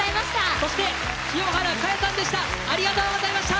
そして清原果耶さんでした！